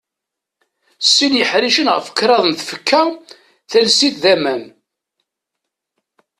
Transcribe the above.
Sin yiḥricen ɣef kraḍ n tfekka talsit d aman.